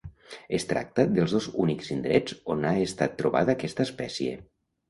Es tracta dels dos únics indrets on ha estat trobada aquesta espècie.